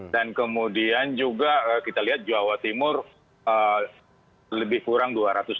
dan kemudian juga kita lihat jawa timur lebih kurang dua ratus tiga